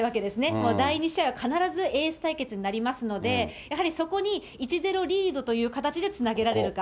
もう第２試合は必ずエース対決になりますので、やはりそこに１ー０リードという形でつなげられるか。